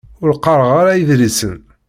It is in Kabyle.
Ur qqaṛeɣ ara idlisen.